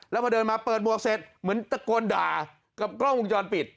แล้วพอเดินมาเปิดหมวกเสร็จเหมือนตะโกนด่ากับกล้องวงจรปิด